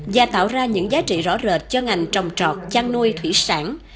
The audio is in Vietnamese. và tạo ra những giá trị rõ rệt cho ngành trồng trọt chăn nuôi thủy sản